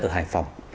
ở hải phòng